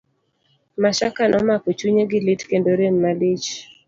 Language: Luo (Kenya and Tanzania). Mashaka nomako chunye gi lit kendo rem malich.